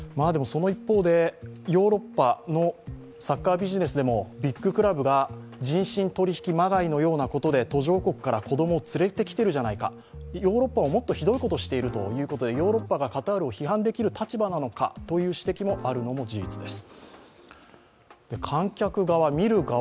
その一方でヨーロッパのサッカービジネスでもビッグクラブが人身取引まがいのもので途上国から子供を連れてきてるじゃないかヨーロッパはもっとひどいことをしているヨーロッパがカタールを批判できる立場なのかという指摘もあるのも事実です。